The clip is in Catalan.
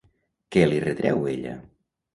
Què li retreu ella?